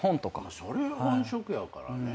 それ本職やからね。